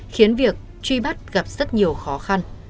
khiến việc truy bắt gặp rất nhiều khó khăn